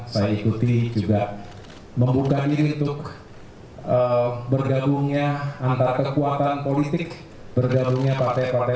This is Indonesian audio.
saya ikuti juga membuka diri untuk bergabungnya antar kekuatan politik bergabungnya partai partai